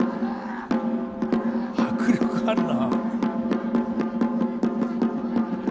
迫力あるな。